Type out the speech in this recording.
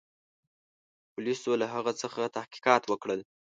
پولیسو له هغه څخه تحقیقات وکړل.